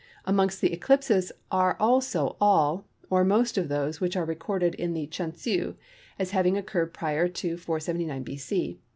Amongst the eclipses are also all, or most of those which are recorded in the Chun Tsew as having occurred prior to 479 B.